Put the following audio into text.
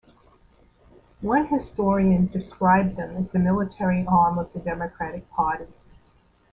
One historian described them as the military arm of the Democratic Party.